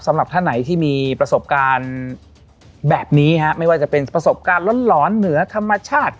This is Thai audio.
สำหรับท่านไหนที่มีประสบการณ์แบบนี้ฮะไม่ว่าจะเป็นประสบการณ์หลอนเหนือธรรมชาติ